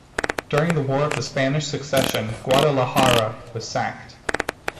During the War of the Spanish Succession, Guadalajara was sacked.